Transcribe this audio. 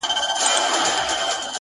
• د خدای د عرش قهر د دواړو جهانونو زهر.